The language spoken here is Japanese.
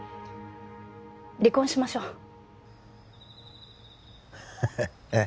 離婚しましょうええ？